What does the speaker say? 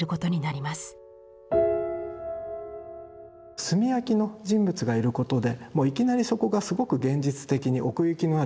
炭焼きの人物がいることでもういきなりそこがすごく現実的に奥行きのある空間になってしまう。